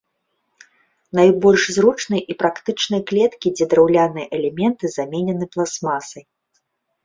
Найбольш зручныя і практычныя клеткі, дзе драўляныя элементы заменены пластмасай.